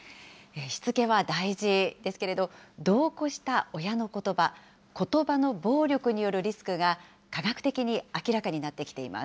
しつけは大事ですけれど、度を超した親のことば、ことばの暴力によるリスクが科学的に明らかにな